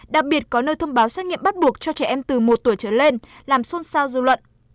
đặc biệt có nơi thông báo xét nghiệm bắt buộc cho trẻ em từ một tuổi trở lên làm xôn xao dư luận